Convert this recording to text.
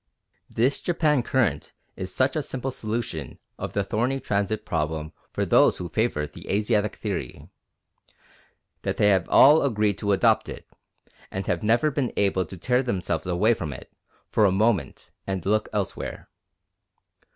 This Japan Current is such a simple solution of the thorny transit problem for those who favour the Asiatic theory, that they have all agreed to adopt it, and have never been able to tear themselves away from it for a moment and look elsewhere.